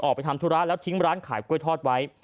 ไปทำธุระแล้วทิ้งร้านขายกล้วยทอดไว้